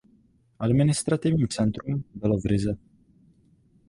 Administrativní centrum bylo v Rize.